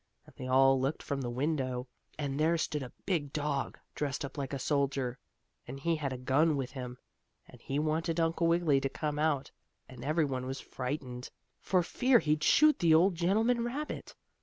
And they all looked from the window, and there stood a big dog, dressed up like a soldier, and he had a gun with him. And he wanted Uncle Wiggily to come out, and every one was frightened, for fear he'd shoot the old gentleman rabbit.